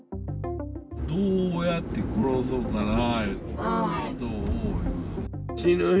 どうやって殺そうかなと。